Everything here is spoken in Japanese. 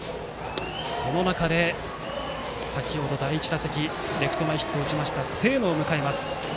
その中で、第１打席でレフト前ヒットを打った清野を迎えます。